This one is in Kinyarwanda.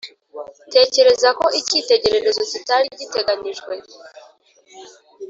tekereza ko icyitegererezo kitari giteganijwe?